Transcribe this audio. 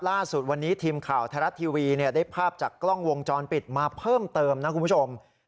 ล่าสุดวันนี้ทีมข่าวไทยรัฐทีวีได้ภาพจากกล้องวงจรปิดมาเพิ่มเติมนะคุณผู้ชม